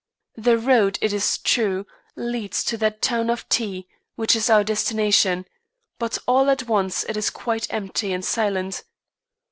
The road, it is true, leads to that town of T , which is our destination; but all at once it is quite empty and silent.